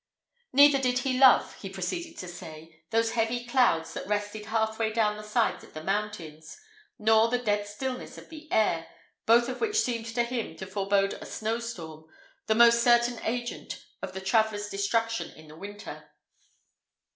Neither did he love, he proceeded to say, those heavy clouds that rested halfway down the sides of the mountains, nor the dead stillness of the air; both of which seemed to him to forbode a snow storm, the most certain agent of the traveller's destruction in the winter.